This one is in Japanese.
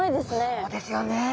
そうですよね。